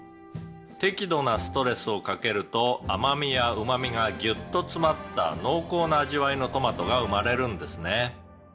「適度なストレスをかけると甘味やうま味がぎゅっと詰まった濃厚な味わいのトマトが生まれるんですね」